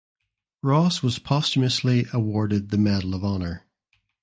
Ross was posthumously awarded the Medal of Honor.